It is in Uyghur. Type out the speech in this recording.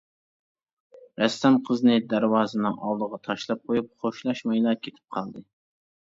رەسسام قىزنى دەرۋازىنىڭ ئالدىغا تاشلاپ قويۇپ خوشلاشمايلا كېتىپ قالدى.